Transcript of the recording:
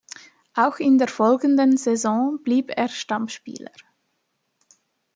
Auch in der folgenden Saison blieb er Stammspieler.